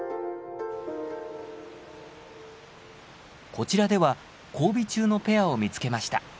こちらでは交尾中のペアを見つけました。